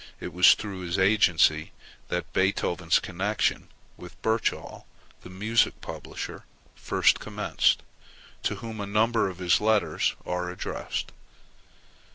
It was through his agency that Beethoven's connection with Birchall, the music publisher, first commenced, to whom a number of his letters are addressed.